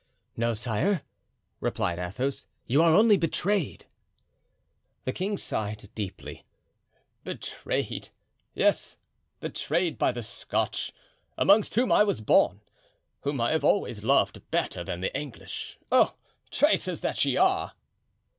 "No, sire," replied Athos. "You are only betrayed." The king sighed deeply. "Betrayed! yes betrayed by the Scotch, amongst whom I was born, whom I have always loved better than the English. Oh, traitors that ye are!"